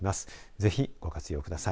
ぜひご活用ください。